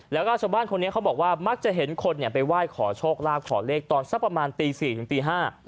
แล้วก็ชาวบ้านคนนี้เขาบอกว่ามักจะเห็นคนเนี่ยไปไหว้ขอโชคลาภขอเลขตอนสักประมาณตีสี่ถึงตีห้า